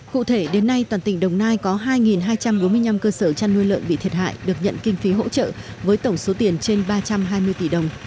cụ thể đến nay toàn tỉnh đồng nai có hai hai trăm bốn mươi năm cơ sở chăn nuôi lợn bị thiệt hại được nhận kinh phí hỗ trợ với tổng số tiền trên ba trăm hai mươi tỷ đồng